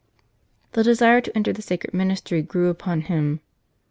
The desire to enter the sacred ministry grew upon him.